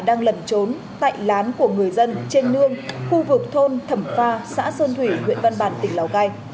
đang lẩn trốn tại lán của người dân trên nương khu vực thôn thẩm pha xã sơn thủy huyện văn bàn tỉnh lào cai